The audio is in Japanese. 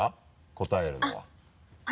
答えるのは。